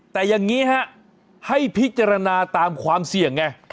แต่อย่างนี้ฮะให้พิจารณาตามความเสี่ยงไง